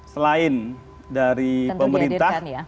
selain dari pemerintah